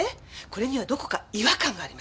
これにはどこか違和感があります。